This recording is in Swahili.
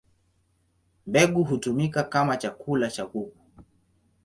Mbegu hutumika kama chakula cha kuku.